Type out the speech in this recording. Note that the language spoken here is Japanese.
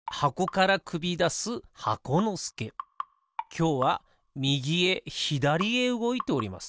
きょうはみぎへひだりへうごいております。